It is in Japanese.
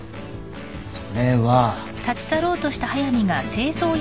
それは。